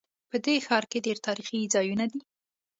په دې ښار کې ډېر تاریخي ځایونه دي